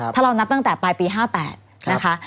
ถ้าเรานับตั้งแต่ปลายปี๕๘นะคะ